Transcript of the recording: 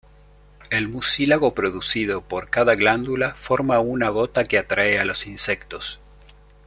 El mucílago producido por cada glándula forma una gota que atrae a los insectos.